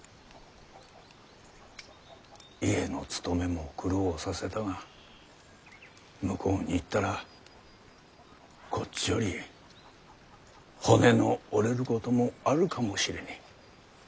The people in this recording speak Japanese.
家の務めも苦労させたが向こうに行ったらこっちより骨の折れることもあるかもしれねぇ。